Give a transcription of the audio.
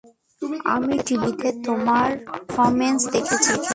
আমরা টিভিতে তোমার পারফরমেন্স দেখেছি।